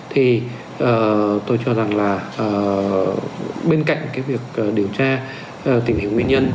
thì tôi cho rằng là bên cạnh cái việc điều tra tình hình nguyên nhân